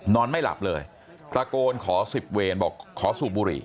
นอนไม่หลับเลยตะโกนขอสิบเวรบอกขอสูบบุหรี่